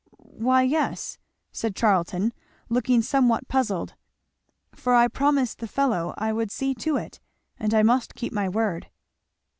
"Why, yes, " said Charlton looking somewhat puzzled, "for I promised the fellow I would see to it, and I must keep my word."